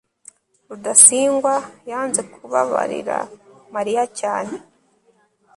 rudasingwa yanze kubabarira mariya cyane